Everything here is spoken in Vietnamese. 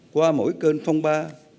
qua mỗi cơn phong ba